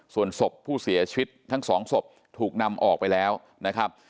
ส่วนศพผู้เสียชีวิตทั้งสองศพถูกนำออกไปแล้วนะครับ